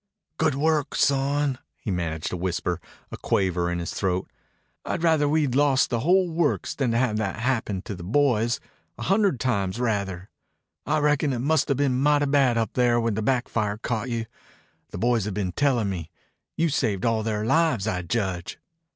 "Good work, son," he managed to whisper, a quaver in his throat. "I'd rather we'd lost the whole works than to have had that happen to the boys, a hundred times rather. I reckon it must 'a' been mighty bad up there when the back fire caught you. The boys have been tellin' me. You saved all their lives, I judge."